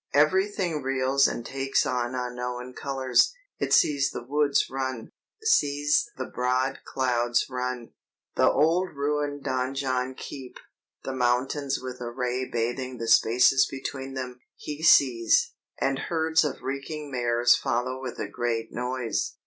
"Everything reels and takes on unknown colors; he sees the woods run, sees the broad clouds run, the old ruined donjon keep, the mountains with a ray bathing the spaces between them; he sees; and herds of reeking mares follow with a great noise!